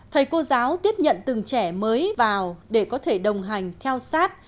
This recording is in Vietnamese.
thầy cô giáo tiếp nhận từng trẻ mới vào để có thể đồng hành theo sát